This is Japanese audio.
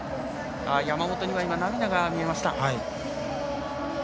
山本には今、涙が見えました。